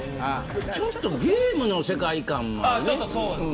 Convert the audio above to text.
ちょっとゲームの世界観なんだね。